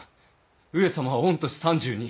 上様は御年３２。